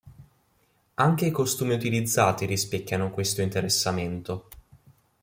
Anche i costumi utilizzati rispecchiano questo interessamento.